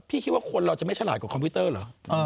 คิดว่าคนเราจะไม่ฉลาดกว่าคอมพิวเตอร์เหรอ